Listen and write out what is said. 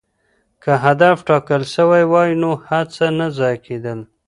که هدف ټاکل سوی وای نو هڅه نه ضایع کېدل.